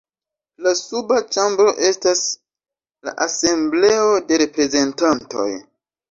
La suba ĉambro estas la Asembleo de Reprezentantoj.